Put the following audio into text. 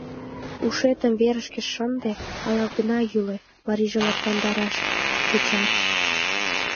— Ушетым верышке шынде, але огына йӱлӧ! — марийже лыпландараш тӧча.